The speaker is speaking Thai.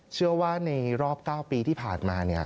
เชื่อว่าในรอบ๙ปีที่ผ่านมาเนี่ย